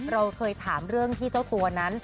เราเคยถามเรื่องที่เจ้าตัวนั้น